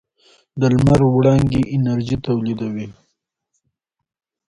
د لمر وړانګې انرژي تولیدوي.